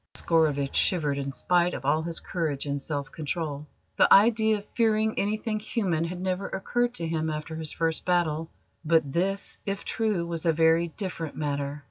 Oscarovitch shivered in spite of all his courage and self control. The idea of fearing anything human had never occurred to him after his first battle; but this, if true, was a very different matter.